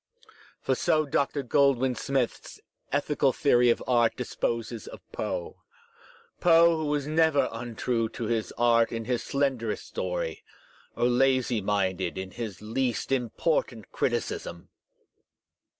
For so Dr. Goldwin Smith's ethical theory of art disposes of Poe, Foe who was never untrue to his art in his slenderest story, or lazy minded in his least important criticism!